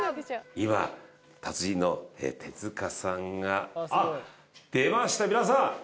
今達人の手塚さんが。あっ出ました皆さん！